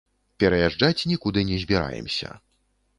Пераязджаць нікуды не збіраемся.